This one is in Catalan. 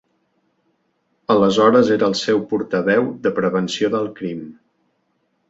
Aleshores era el seu portaveu de Prevenció del Crim.